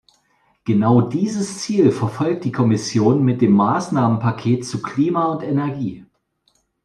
Genau dieses Ziel verfolgt die Kommission mit dem Maßnahmenpaket zu Klima und Energie.